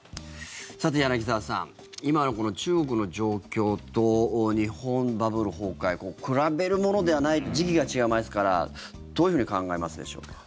柳澤さん、今の中国の状況と日本のバブル崩壊比べるものではない時期が違いますからどういうふうに考えますでしょうか。